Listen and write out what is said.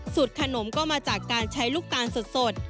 ขนมก็มาจากการใช้ลูกตาลสด